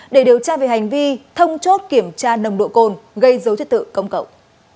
để điều tra về hành vi thông chốt kiểm tra nằm nội côn gây dấu chất tự công cộng